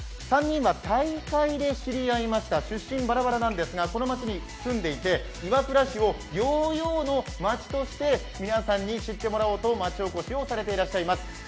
３人は大会で知り合いました出身はバラバラなんですが、この町に住んでいて、岩倉市をヨーヨーの町として皆さんに知ってもらいたいと町おこしをしていらっしゃいます。